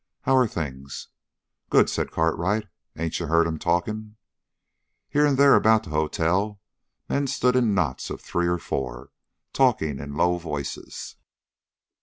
"How are things?" "Good," said Cartwright. "Ain't you heard 'em talking?" Here and there about the hotel, men stood in knots of three and four, talking in low voices.